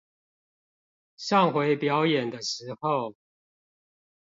上回表演的時候